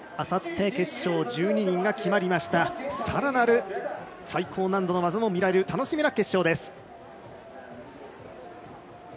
さらなる最高難度の技が見られる楽しみな決勝です。